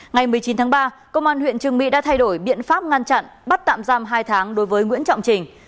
ngày một mươi chín tháng ba công an huyện trương mỹ đã thay đổi biện pháp ngăn chặn bắt tạm giam hai tháng đối với nguyễn trọng trình